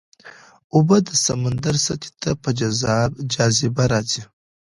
اوبه د سمندر سطحې ته په جاذبه راځي.